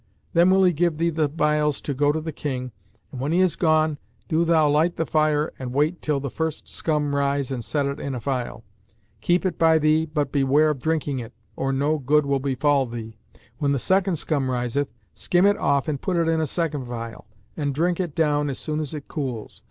Then will he give thee the phials and go to the King, and when he is gone, do thou light the fire and wait till the first scum rise and set it in a phial; keep it by thee but beware of drinking it, or no good will befall thee. When the second scum riseth, skim it off and put it in a second phial and drink it down as soon as it cools.